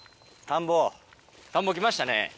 田んぼ来ましたね。